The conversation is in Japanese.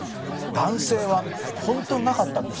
男性は本当になかったんです。